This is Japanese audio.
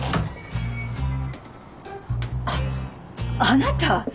あっあなた。